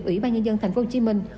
ủy ban nhân dân thành phố hồ chí minh